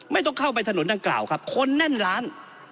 ไม่ต้องเข้าไปถนนดังกล่าวครับคนแน่นร้าน